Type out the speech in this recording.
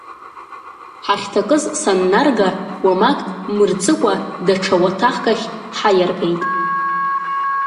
Ҳахьҭакыз саннарга, уамак мырҵыкәа, даҽа уаҭахк ахь ҳаиаргеит.